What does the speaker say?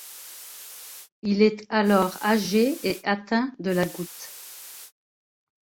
Il est alors âgé et atteint de la goutte.